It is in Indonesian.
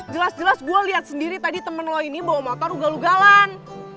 jelas jelas gua lihat sendiri tadi temen lo ini bawa motor ugal ugalan